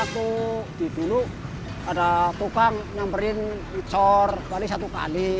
waktu di dulu ada tukang nampelin licor kali satu kali